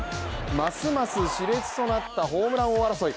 ますますし烈となったホームラン王争い。